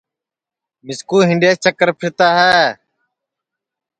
مِسکُو ہِنڈؔیس چکر پھرتا ہے